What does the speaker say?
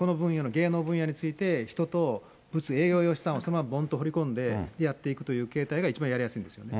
芸能分野について、人と、営業用資産をぼんと振り込んで、やっていくという形態が一番やりやすいんですよね。